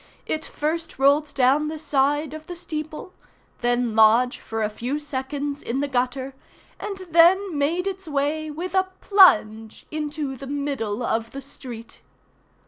It first rolled down the side of the steeple, then lodge, for a few seconds, in the gutter, and then made its way, with a plunge, into the middle of the street.